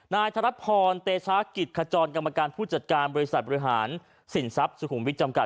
ธนัดพรเตชากิจขจรกรรมการผู้จัดการบริษัทบริหารสินทรัพย์สุขุมวิทย์จำกัด